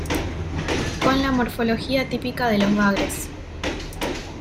Con la morfología típica de los bagres.